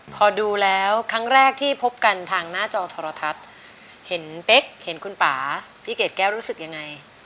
พอดูแล้วครั้งแรกที่พบกันทางหน้าจอโทรทัศน์เห็นเป๊กเห็นคุณป่าพี่เกดแก้วรู้สึกยังไง